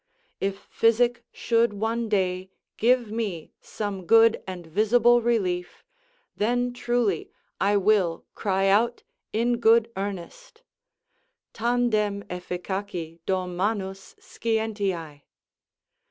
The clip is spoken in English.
If physic should one day give me some good and visible relief, then truly I will cry out in good earnest: "Tandem effcaci do manus scientiae."